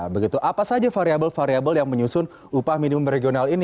begitu apa saja variable variable yang menyusun upah minimum regional ini